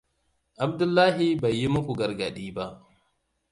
Abdullahi bai yi muku gargaɗi ba.